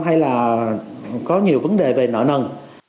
hay là có nhiều vấn đề về nợ nần